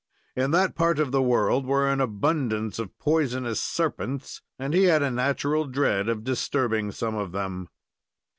In that part of the world were an abundance of poisonous serpents, and he had a natural dread of disturbing some of them.